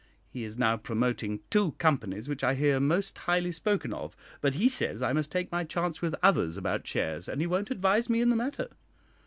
He is now promoting two companies which I hear most highly spoken of, but he says I must take my chance with others about shares, and he won't advise me in the matter.